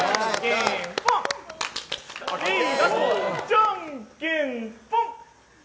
じゃんけんぽん。